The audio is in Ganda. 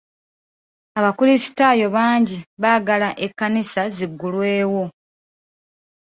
Abakrisitaayo bangi baagala ekkanisa ziggulwewo.